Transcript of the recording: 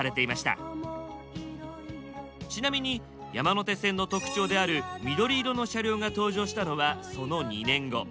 ちなみに山手線の特徴である緑色の車両が登場したのはその２年後。